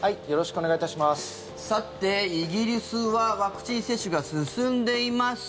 さて、イギリスはワクチン接種が進んでいます。